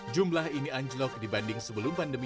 jumlah ini anjlok dibanding sebelum pandemi